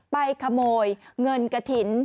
ไปขโมยเงินกระถิ่น